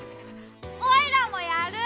おいらもやる！